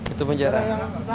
itu pun jarang